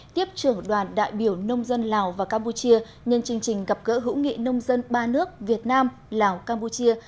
tiếp trưởng đoàn đại biểu nông dân lào và campuchia nhân chương trình gặp gỡ hữu nghị nông dân ba nước việt nam lào campuchia